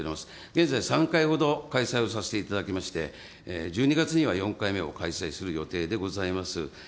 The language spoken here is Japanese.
現在、３回ほど開催をさせていただきまして、１２月には４回目を開催する予定でございます。